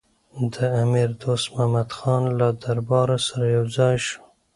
د امیر دوست محمدخان له دربار سره یو ځای شو.